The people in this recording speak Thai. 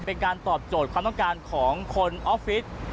เป็นการตอบโจทย์ความต้องการของคนออฟฟิศ